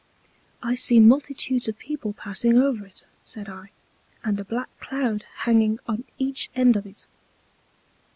I see Multitudes of People passing over it, said I, and a black Cloud hanging on each End of it.